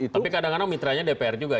tapi kadang kadang mitranya dpr juga